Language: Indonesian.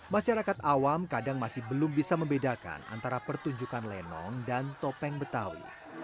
masyarakat awam kadang masih belum bisa membedakan antara pertunjukan lenong dan topeng betawi